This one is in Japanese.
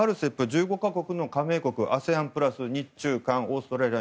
１５か国の加盟国ＡＳＥＡＮプラス日中韓オーストラリア